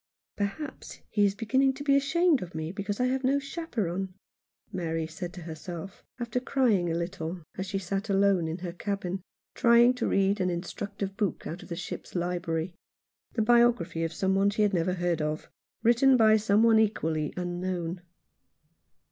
"Perhaps he is beginning to be ashamed of me because I have no chaperon," Mary said to herself, after crying a little, as she sat alone in her cabin, trying to read an instructive book out of the ship's library — the biography of some one she had never heard of, written by some one equally unknown.